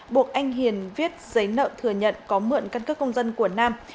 buộc anh hiền viết giấy nợ thừa nhận có mượn căn cước công dân của nam